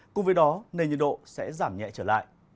cùng với đó nền nhiệt độ sẽ giảm nhẹ trở lại